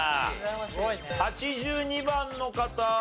８２番の方。